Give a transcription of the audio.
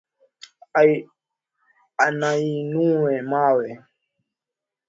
Anainua mawe.